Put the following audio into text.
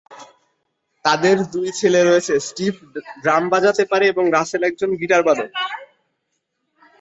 তাদের দুই ছেলে রয়েছে, স্টিভ ড্রাম বাজাতে পারে এবং রাসেল একজন গিটারবাদক।